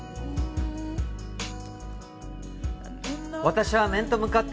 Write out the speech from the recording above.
私は面と向かって